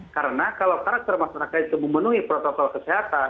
karena kalau karakter masyarakat itu memenuhi protokol kesehatan